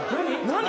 何？